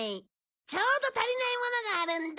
ちょうど足りないものがあるんだ。